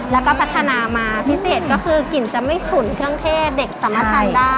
แล้วก็พัฒนามาพิเศษก็คือกลิ่นจะไม่ฉุนเครื่องเทศเด็กสามารถทานได้